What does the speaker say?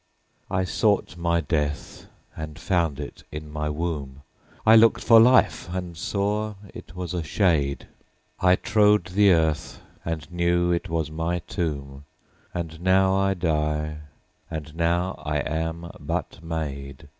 13I sought my death and found it in my womb,14I lookt for life and saw it was a shade,15I trode the earth and knew it was my tomb,16And now I die, and now I am but made.